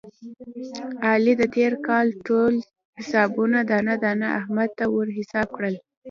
علي د تېر کال ټول حسابونه دانه دانه احمد ته ور حساب کړل.